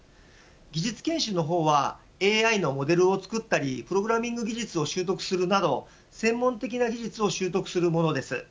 技術研修の方はＡＩのモデルを作ったりプログラミング技術を習得するなど、専門的な技術を習得するものです。